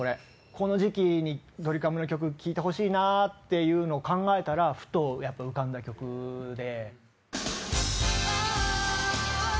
この時期にドリカムの曲聴いてほしいなと考えたらふと、やっぱ浮かんだ曲で。